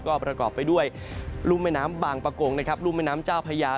ก็ประกอบไปด้วยรุ่มแม่น้ำบางประกงนะครับรุ่มแม่น้ำเจ้าพญา